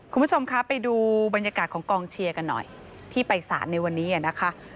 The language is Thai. คุณผู้ชมคะไปดูบรรยากาศของกองเชียร์กันหน่อยที่ไปสารในวันนี้นะคะ